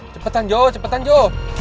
cepetan jo cepetan jo